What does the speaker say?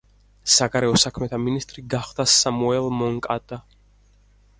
საგარეო საქმეთა მინისტრი გახდა სამუელ მონკადა.